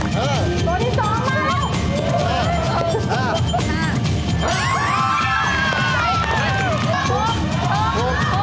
ตัวที่สองมาแล้ว